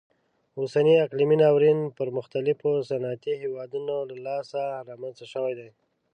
اوسنی اقلیمي ناورین د پرمختللو صنعتي هیوادونو له لاسه رامنځته شوی دی.